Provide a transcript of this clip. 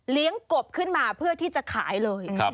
กบขึ้นมาเพื่อที่จะขายเลย